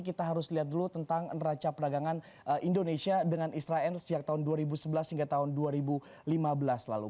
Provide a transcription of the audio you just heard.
kita harus lihat dulu tentang neraca perdagangan indonesia dengan israel sejak tahun dua ribu sebelas hingga tahun dua ribu lima belas lalu